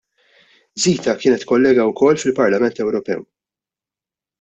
Zita kienet kollega wkoll fil-Parlament Ewropew.